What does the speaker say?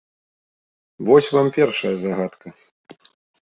Вось вам першая загадка.